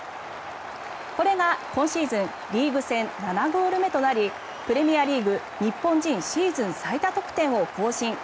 これが今シーズンリーグ戦７ゴール目となりプレミアリーグ日本人シーズン最多得点を更新。